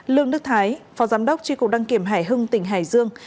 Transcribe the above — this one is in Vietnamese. lương đức thái phó giám đốc tri cục đăng kiểm hải hưng tỉnh hải dương